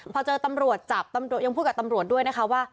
พอเจอตำรวจจับตำรวจยังพูดกับตำรวจด้วยนะคะว่า